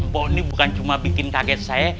bahwa ini bukan cuma bikin kaget saya